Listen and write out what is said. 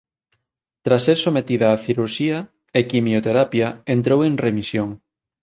Tras ser sometida a cirurxía e quimioterapia entrou en remisión.